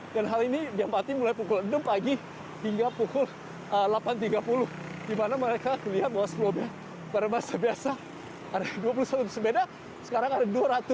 dan hal ini diambil mulai pukul enam pagi hingga pukul delapan tiga puluh di mana mereka melihat bahwa sebelumnya pada masa biasa ada dua puluh satu sepeda sekarang ada dua ratus tiga puluh